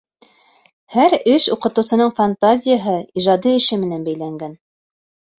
Һәр эш уҡытыусының фантазияһы, ижади эше менән бәйләнгән.